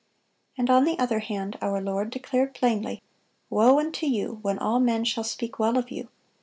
(196) And on the other hand our Lord declared plainly: "Woe unto you, when all men shall speak well of you!